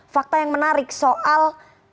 fakta yang menarik soal